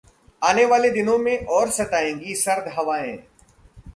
आने वाले दिनों में और सताएंगी सर्द हवाएं